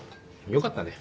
よかったね。